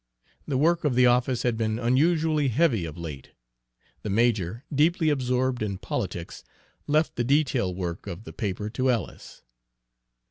The work of the office had been unusually heavy of late. The major, deeply absorbed in politics, left the detail work of the paper to Ellis.